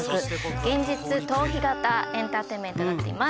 現実逃避型エンターテインメントになっています。